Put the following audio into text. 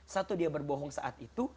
satu dia berbohong saat itu